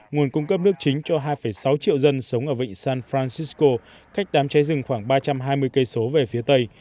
nguồn cung cấp nước chính cho hai sáu triệu dân sống ở vịnh san francisco cách đám cháy rừng khoảng ba trăm hai mươi km về phía tây